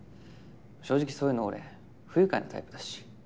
正直そういうの俺不愉快なタイプだし。